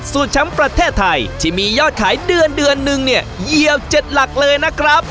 สู้ช้ำประเทศไทยที่มียอดขายเดือนนึงเนี่ยเยี่ยมเจ็ดหลักเลยนะครับ